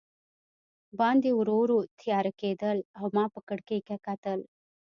باندې ورو ورو تیاره کېدل او ما په کړکۍ کې کتل.